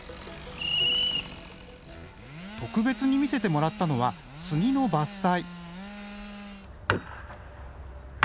特別に見せてもらったのはスギの伐採。